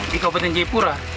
di kabupaten jayapura